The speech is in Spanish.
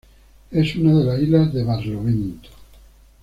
Es una de las Islas de Barlovento.